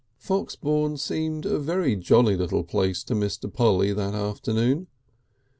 Foxbourne seemed a very jolly little place to Mr. Polly that afternoon.